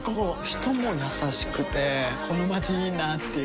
人も優しくてこのまちいいなぁっていう